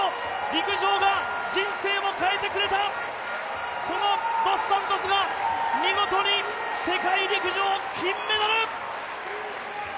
陸上が人生を変えてくれたそのドス・サントスが見事に世界陸上、金メダル！